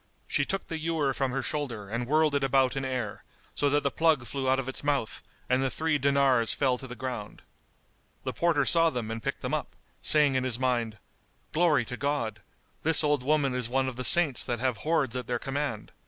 She took the ewer from her shoulder and whirled it about in air, so that the plug flew out of its mouth and the three dinars fell to the ground. The porter saw them and picked them up, saying in his mind, "Glory to God! This old woman is one of the Saints that have hoards at their command!